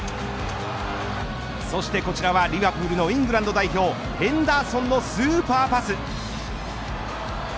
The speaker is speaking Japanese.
そしてこちらはリヴァプールのイングランド代表ヘンダーソンのスーパーパス。